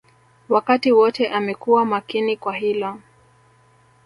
Wakati wote amekuwa makini kwa hilo